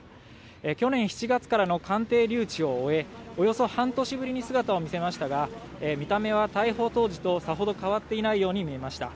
去年７月からの鑑定留置を終え、およそ半年ぶりに姿を見せましたが見た目は逮捕当時とさほど変わっていないように見えました。